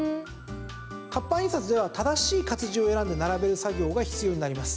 活版印刷では正しい活字を選んで並べる作業が必要になります。